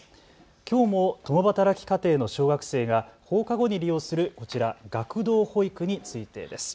きょうも共働き家庭の小学生が放課後に利用するこちら学童保育についてです。